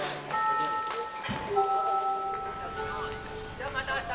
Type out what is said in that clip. じゃあまた明日。